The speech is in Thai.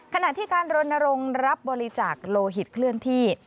ขณะที่การรณรงค์รับบริจาคโลหิตเคลื่อนที่